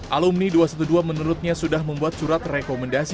alumni dua ratus dua belas menurutnya sudah membuat surat rekomendasi